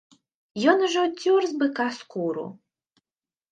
Ён ужо дзёр з быка скуру.